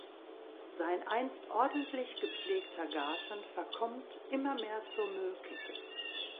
Sein einst ordentlich gepflegter Garten verkommt immer mehr zur Müllkippe.